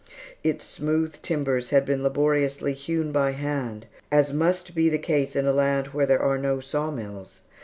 Its smooth timbers had been laboriously hewn by hand, as must be the case in a land where there are no saw mills.